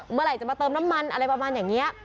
เมื่อไหร่จะมาเติมน้ำมันอะไรประมาณอย่างนี้